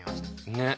ねっ。